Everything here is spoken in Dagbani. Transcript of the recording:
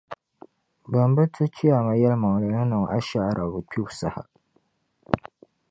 Ban bi ti chiyaama yɛlimaŋli ni niŋ ashaara bɛ kpibu saha.